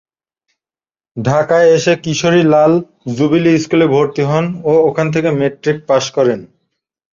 ঢাকায় এসে কিশোরী লাল জুবিলী স্কুলে ভর্তি হন ও এখান থেকে মেট্রিক পাশ করেন।